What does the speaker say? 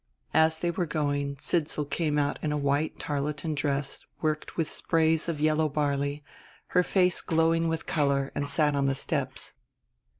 As they were going, Sidsall came out in a white tarlatan dress worked with sprays of yellow barley, her face glowing with color, and sat on the steps.